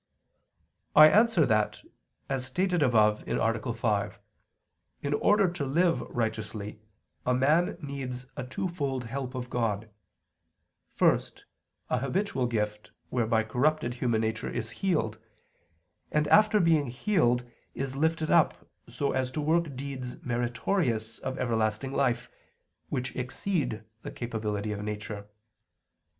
I answer that, As stated above (A. 5), in order to live righteously a man needs a twofold help of God first, a habitual gift whereby corrupted human nature is healed, and after being healed is lifted up so as to work deeds meritorious of everlasting life, which exceed the capability of nature.